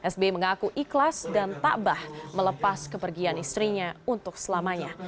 sbi mengaku ikhlas dan takbah melepas kepergian istrinya untuk selamanya